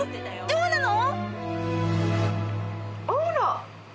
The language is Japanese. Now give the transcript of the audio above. どうなの？